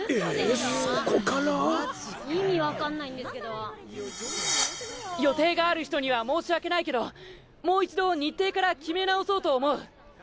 ・マジかよ・・意味分かんないんですけど・・今さら言われても・予定がある人には申し訳ないけどもう一度日程から決め直そうと思う。